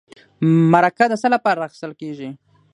مرکه د څه لپاره اخیستل کیږي؟